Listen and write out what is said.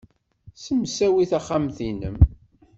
Ssemsawi taxxamt-nnem.